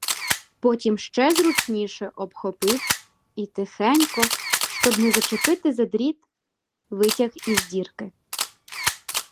Потім ще зручніше обхопив і тихенько, щоб не зачепити за дріт, витяг із дірки.